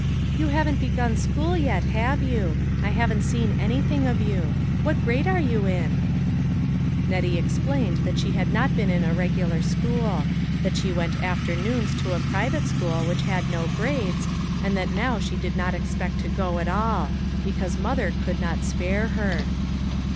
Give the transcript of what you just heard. "You haven't begun school yet, have you ? I haven't seen anything of you. What grade are you in ?" Nettie explained that she had not been in a regular school; that she went afternoons to a private school which had no grades, and that now she did not expect to go at all ; because mother could not spare her.